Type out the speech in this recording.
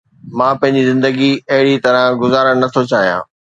مان پنهنجي زندگي اهڙي طرح گذارڻ نٿو چاهيان.